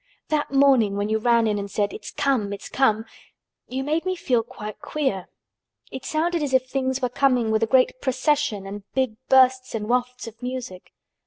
"That morning when you ran in and said 'It's come! It's come!', you made me feel quite queer. It sounded as if things were coming with a great procession and big bursts and wafts of music.